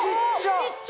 小っちゃ！